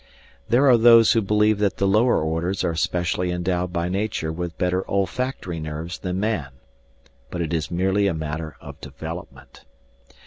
There are those who believe that the lower orders are specially endowed by nature with better olfactory nerves than man, but it is merely a matter of development.